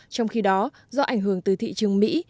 trong khi đó do ảnh hưởng tới thị trường mỹ